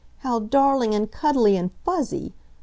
How darling, and cuddly, and fuzzy!